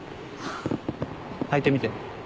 履いてみて。